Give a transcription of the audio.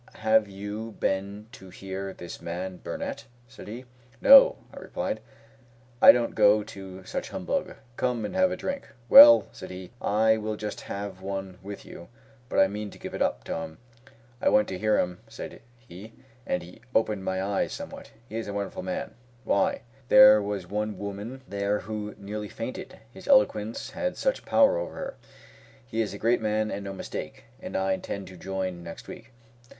"Have you been to hear this man, Burnett?" said he. "No," I replied; "I don't go to such humbug. Come and have a drink." "Well," said he, "I will just have one with you; but I mean to give it up, Tom. I went to hear him," said he, "and he opened my eyes somewhat. He is a very wonderful man. Why, there was one woman there who nearly fainted, his eloquence had such power over her. He is a great man and no mistake; and I intend to join next week.